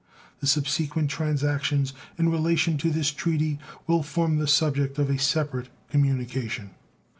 The subsequent transactions in relation to this treaty will form the subject of a separate communication.